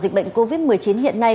dịch bệnh covid một mươi chín hiện nay